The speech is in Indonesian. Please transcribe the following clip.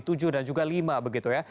tujuh dan juga lima begitu ya